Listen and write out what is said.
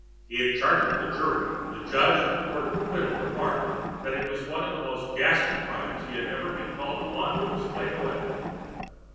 In charging the jury, the judge of the Court of Acquittal remarked that it was one of the most ghastly crimes that he had ever been called upon to explain away.